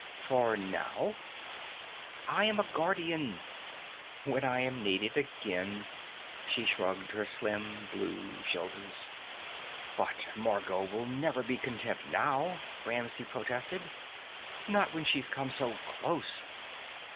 "For now?" "I am a guardian. When I am needed again " She shrugged her slim blue shoulders. "But Margot will never be content now," Ramsey protested. "Not when she's come so close."